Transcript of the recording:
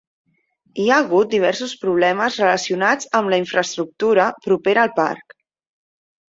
Hi ha hagut diversos problemes relacionats amb la infraestructura propera al parc.